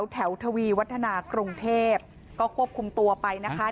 ทวีวัฒนากรุงเทพก็ควบคุมตัวไปนะคะ